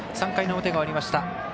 ３回の表が終わりました。